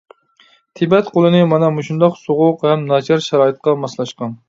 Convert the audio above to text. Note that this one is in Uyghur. تىبەت قۇلىنى مانا مۇشۇنداق سوغۇق ھەم ناچار شارائىتقا ماسلاشقان.